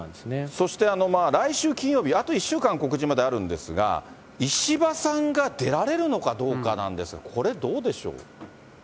そして来週金曜日、あと１週間、告示まであるんですが、石破さんが出られるのかどうかなんですが、これどうでしょう。